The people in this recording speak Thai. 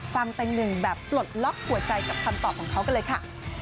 แตงหนึ่งแบบปลดล็อกหัวใจกับคำตอบของเขากันเลยค่ะ